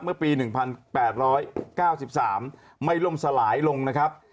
เมื่อปี๑๘๙๓ไม่ล่มสลายลงนะครับ